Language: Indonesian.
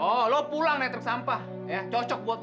oh lo pulang naik truk sampah ya cocok buat lo tuh